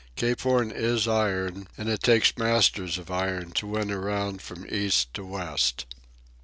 Cape Horn is iron, and it takes masters of iron to win around from east to west.